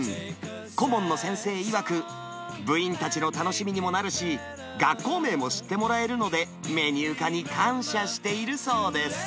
顧問の先生いわく、部員たちの楽しみにもなるし、学校名も知ってもらえるので、メニュー化に感謝しているそうです。